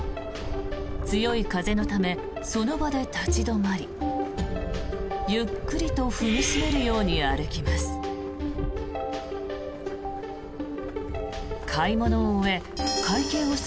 強い風のためその場で立ち止まりゆっくりと踏み締めるように歩きます。